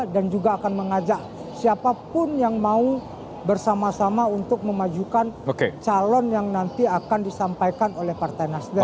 dan juga akan mengajak siapapun yang mau bersama sama untuk memajukan calon yang nanti akan disampaikan oleh partai nasdem